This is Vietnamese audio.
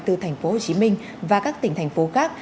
từ thành phố hồ chí minh và các tỉnh thành phố khác